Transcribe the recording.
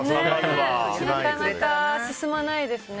なかなか進まないですね。